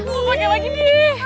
lo pake lagi deh